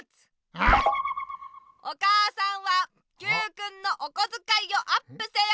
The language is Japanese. うん⁉お母さんはＱくんのおこづかいをアップせよ！